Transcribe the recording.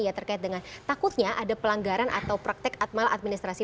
ya terkait dengan takutnya ada pelanggaran atau praktek akmal administrasi